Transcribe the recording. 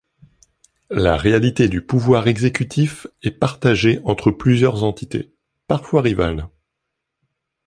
La réalité du pouvoir exécutif est partagé entre plusieurs entités, parfois rivales.